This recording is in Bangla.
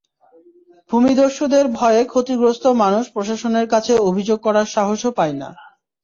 ভূমিদস্যুদের ভয়ে ক্ষতিগ্রস্ত মানুষ প্রশাসনের কাছে অভিযোগ করার সাহসও পায় না।